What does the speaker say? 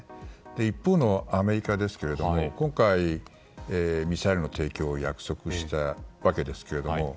一方のアメリカですが今回、ミサイルの提供を約束したわけですが。